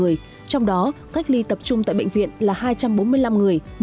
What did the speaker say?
trong đó cách ly tập trung tại bệnh viện là hai trăm bốn mươi năm người